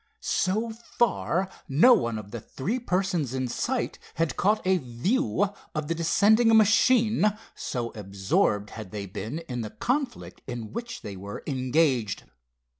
So far no one of the three persons in sight had caught a view of the descending machine, so absorbed had they been in the conflict in which they were engaged.